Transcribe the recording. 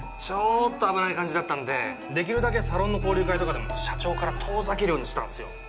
ちょっと危ない感じだったんでできるだけサロンの交流会とかでも社長から遠ざけるようにしてたんすよ。